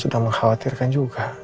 sudah mengkhawatirkan juga